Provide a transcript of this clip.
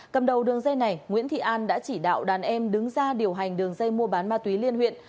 cầm đầu đường dây này nguyễn thị an đã chỉ đạo đàn em đứng ra điều hành đường dây mua bán ma túy liên huyện